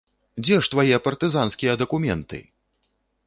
Дзе ж твае партызанскія дакументы!